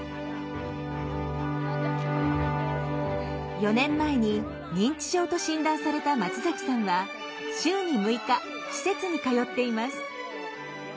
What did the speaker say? ４年前に認知症と診断された松さんは週に６日施設に通っています。